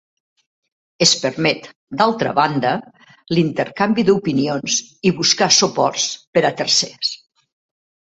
Es permet, d'altra banda, l'intercanvi d'opinions i buscar suports per a tercers.